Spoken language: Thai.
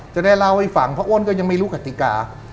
จะได้เล่าให้ฟังเพราะอ้นก็ยังไม่รู้กติกา